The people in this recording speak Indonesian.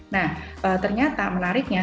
nah ternyata menariknya